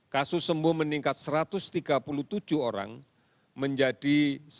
kasus sembuh meningkat satu ratus tiga puluh tujuh orang menjadi satu tiga ratus sembilan puluh satu